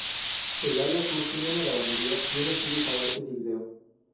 El ala Sur tiene una lavandería y un estudio para artes y vídeo.